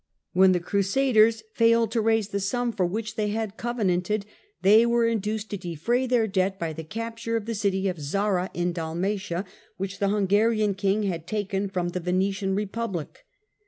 When the Crusaders failed to raise the sum for which they had covenanted, they were induced to defray their debt by the capture of the city of Zara in Dalmatia, which the Hungarian king had taken from the Venetian republic.